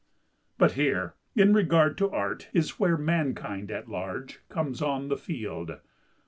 But here, in regard to Art, is where mankind at large comes on the field.